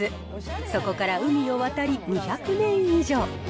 そこから海を渡り、２００年以上。